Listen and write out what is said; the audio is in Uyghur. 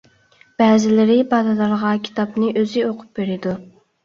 بەزىلىرى بالىلىرىغا كىتابنى ئۆزى ئوقۇپ بېرىدۇ.